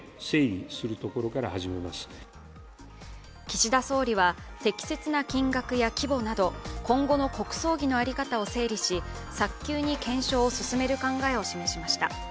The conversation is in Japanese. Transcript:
岸田総理は、適切な金額や規模など今後の国葬儀の在り方を整理し早急に検証を進める考えを示しました。